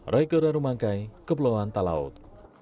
rai gerarumangkai kepulauan talaut